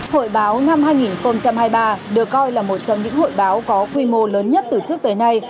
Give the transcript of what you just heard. hội báo năm hai nghìn hai mươi ba được coi là một trong những hội báo có quy mô lớn nhất từ trước tới nay